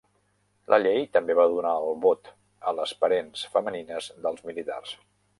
La llei també va donar el vot a les parents femenines dels militars.